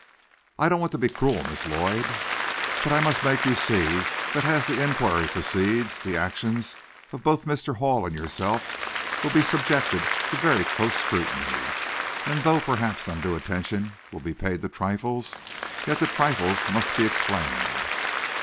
I don't want to be cruel, Miss Lloyd, but I must make you see that as the inquiry proceeds, the actions of both Mr. Hall and yourself will be subjected to very close scrutiny, and though perhaps undue attention will be paid to trifles, yet the trifles must be explained."